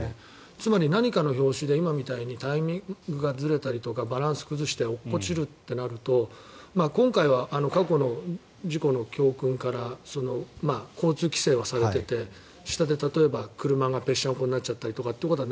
つまり、何かの拍子で今みたいにタイミングがずれたりとかバランスを崩して落っこちるってなると今回は過去の事故の教訓から交通規制はされていて下で、例えば車がぺしゃんこになったりとかということは